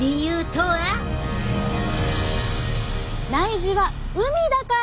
内耳は海だから！